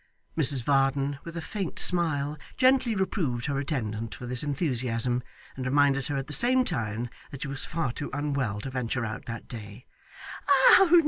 Mrs Varden with a faint smile gently reproved her attendant for this enthusiasm, and reminded her at the same time that she was far too unwell to venture out that day.